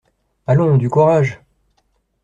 Allons, du courage!